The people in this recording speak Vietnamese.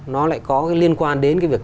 nó lại có liên quan đến cái việc